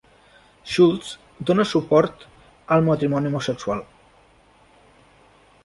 Schultz dóna suport al matrimoni homosexual.